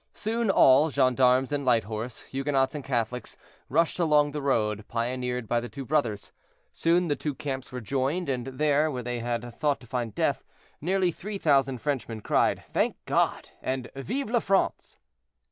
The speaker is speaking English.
Soon, all—gendarmes and light horse—Huguenots and Catholics—rushed along the road, pioneered by the two brothers. Soon the two camps were joined, and there, where they had thought to find death, nearly 3,000 Frenchmen cried, "Thank God!" and "Vive la France!"